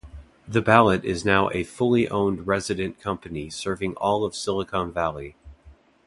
The Ballet is now a 'fully owned' resident company serving all of Silicon Valley.